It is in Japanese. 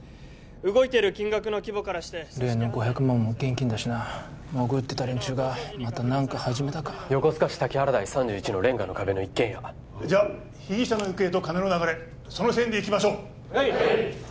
動いている金額の規模からして例の５００万も現金だしな潜ってた連中がまた何か始めたか横須賀市滝原台３１のレンガの壁の一軒家じゃ被疑者の行方と金の流れその線でいきましょうはい！